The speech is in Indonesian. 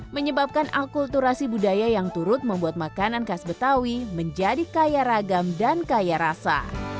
menyebabkan akulturasi budaya yang turut membuat makanan khas betawi menjadi kaya ragam dan kaya rasa